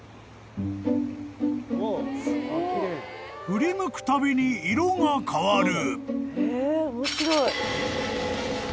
［振り向くたびに色が変わる］